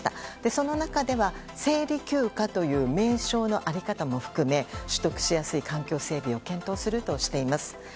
その中では生理休暇という名称の在り方も含め取得しやすい環境整備を検討するとしています。